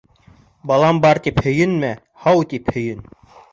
Балам бар тип һөйөнмә, һау тип һөйөн.